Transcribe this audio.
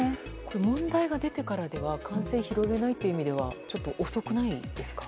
問題が出てからでは感染を広げないという意味ではちょっと遅くないですか。